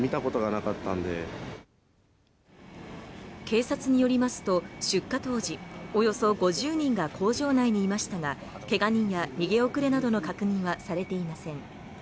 警察によりますと出火当時およそ５０人が工場内にいましたが怪我人や逃げ遅れなどの確認はされていません。